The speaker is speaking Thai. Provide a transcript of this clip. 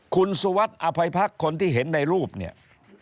คุณสุวัสดิ์อภัยพักคนที่เห็นในรูปเนี่ย